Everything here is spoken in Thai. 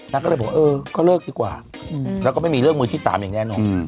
นางก็เลยบอกเออก็เลิกดีกว่าแล้วก็ไม่มีเรื่องมือที่๓อย่างแน่นอน